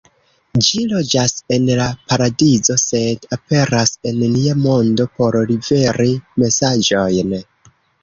Ĝi loĝas en la paradizo sed aperas en nia mondo por liveri mesaĝojn.